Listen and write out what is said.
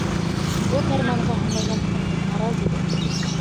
بۇ پەرمانغا ھەممەيلەن قاتتىق نارازى بوپتۇ.